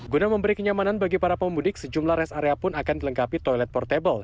guna memberi kenyamanan bagi para pemudik sejumlah rest area pun akan dilengkapi toilet portable